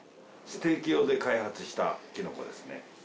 ステーキ用で開発したキノコですね。